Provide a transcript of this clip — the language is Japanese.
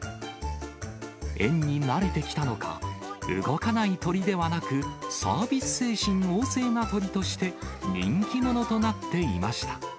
園に慣れてきたのか、動かない鳥ではなく、サービス精神旺盛な鳥として、人気者となっていました。